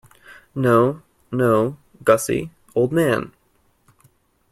No, no, Gussie, old man.